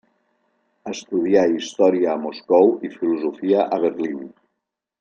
Estudià història a Moscou i filosofia a Berlín.